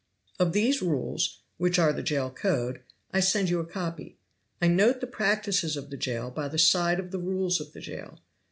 Of these rules, which are the jail code, I send you a copy. I note the practices of the jail by the side of the rules of the jail.